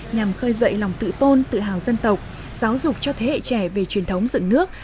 nhằm khơi dậy lòng tự tôn tự hào dân tộc giáo dục cho thế hệ trẻ về truyền thống dựng nước